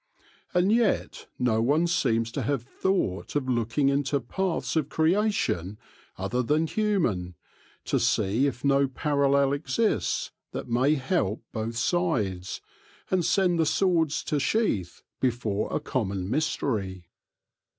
And yet no one seems to have thought of looking into paths of creation other than human, to see if no parallel exists that may help both sides, and send the swords to sheath before a common mystery.